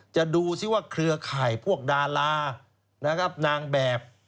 ดูสิว่าเครือข่ายพวกดารานะครับนางแบบ